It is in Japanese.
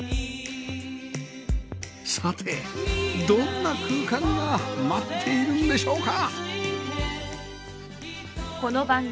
さてどんな空間が待っているんでしょうか？